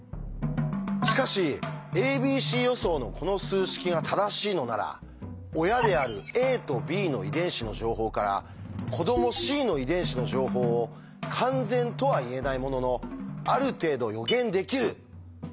しかし「ａｂｃ予想」のこの数式が正しいのなら親であるａとｂの遺伝子の情報から子どもｃの遺伝子の情報を完全とは言えないもののある程度予言できるというんです。